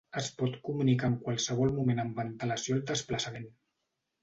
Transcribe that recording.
Es pot comunicar en qualsevol moment amb antelació al desplaçament.